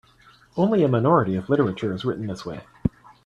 Only a minority of literature is written this way.